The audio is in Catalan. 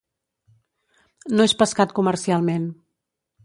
No és pescat comercialment.